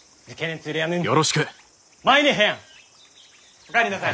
お帰りなさい。